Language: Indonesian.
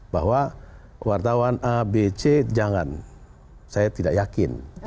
bahwa wartawan a b c jangan saya tidak yakin